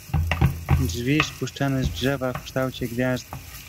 "Drzwi spuszczane z drzewa w kształcie gwiazdy."